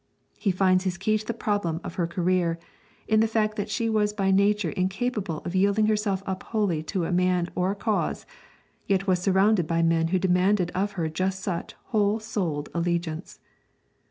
He finds his key to the problem of her career in the fact that she was by nature incapable of yielding herself up wholly to a man or a cause, yet was surrounded by men who demanded of her just such whole souled allegiance.